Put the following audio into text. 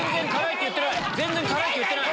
全然辛いって言ってない。